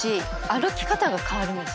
歩き方が変わるんです。